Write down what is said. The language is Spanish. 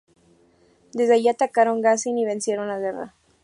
Desde allí atacaron Ghazni y vencieron la guerra.